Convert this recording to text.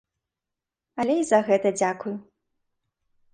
Але і за гэта дзякуй.